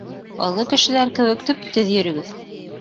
Оло кешеләр кеүек төп-төҙ йөрөгөҙ.